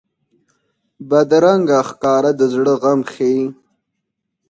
بدرنګه ښکاره د زړه غم ښيي